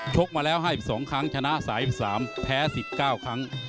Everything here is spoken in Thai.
กมาแล้ว๕๒ครั้งชนะ๓๓แพ้๑๙ครั้ง